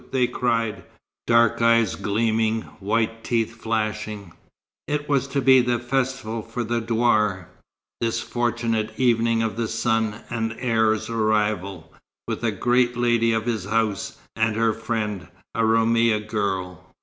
they cried, dark eyes gleaming, white teeth flashing. It was to be a festival for the douar, this fortunate evening of the son and heir's arrival, with a great lady of his house, and her friend, a Roumia girl.